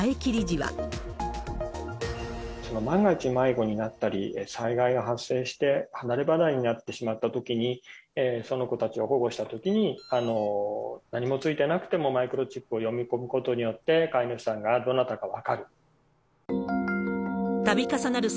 万が一迷子になったり、災害が発生して離れ離れになってしまったときに、その子たちを保護したときに、何もついてなくても、マイクロチップを読み込むことによって、飼い主さんがどなたか分かる。